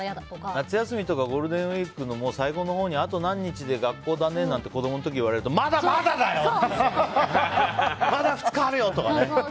夏休みとかゴールデンウィークの最後のほうにあと何日で学校だねって子供の時言われるとまだまだだよとかまだ２日あるよ！とかね。